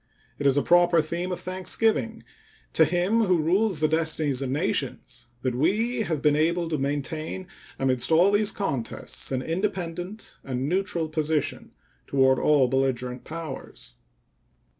It is a proper theme of thanksgiving to Him who rules the destinies of nations that we have been able to maintain amidst all these contests an independent and neutral position toward all belligerent powers.